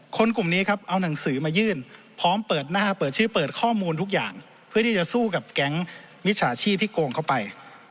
กลุ่มนี้ครับเอาหนังสือมายื่นพร้อมเปิดหน้าเปิดชื่อเปิดข้อมูลทุกอย่างเพื่อที่จะสู้กับแก๊งมิจฉาชีพที่โกงเข้าไป